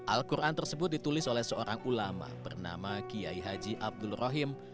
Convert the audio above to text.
al qur an tersebut ditulis oleh seorang ulama bernama qiyai haji abdul rohim